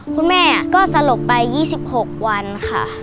คุณแม่ก็สลบไป๒๖วันค่ะ